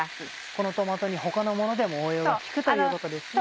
このトマト煮他のものでも応用が利くということですね。